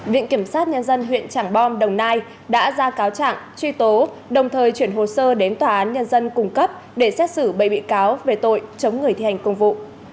viện kiểm sát nhân dân huyện trảng bom đồng nai đã ra cáo trạng truy tố đồng thời chuyển hồ sơ đến tòa án nhân dân cung cấp để xét xử bảy bị cáo về tội chống người thi hành công vụ